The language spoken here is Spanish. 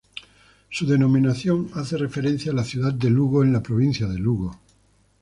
Su denominación hace referencia a la ciudad de Lugo, en la provincia de Lugo.